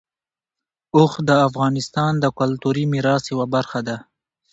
اوښ د افغانستان د کلتوري میراث یوه برخه ده.